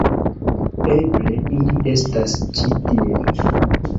Eble ili estas ĉi tie.